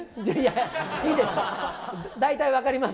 いいです。